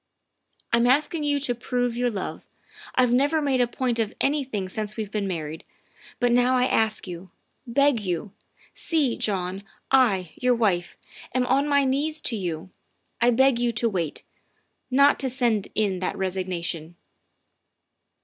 ' I'm asking you to prove your love. I've never made a point of anything since we've been married, but now I ask you, beg you, see, John, I, your wife, am on my knees to you, I beg you to wait not to send in that resignation."